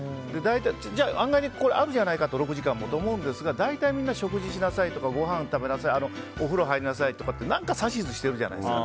じゃあ、案外６時間もあるじゃないかと思うんですが大体みんな食事しなさいとかお風呂入りなさいとかって何か指図してるじゃないですか。